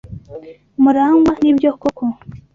MuragwA, nibyo koko?